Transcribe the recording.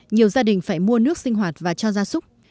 nhiều gia đình phải mua nước sinh hoạt và cho gia súc